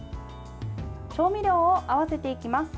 調味料を合わせていきます。